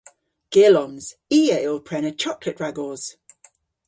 Gyllons. I a yll prena choklet ragos.